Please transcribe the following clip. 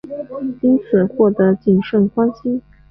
因此深获景胜欢心。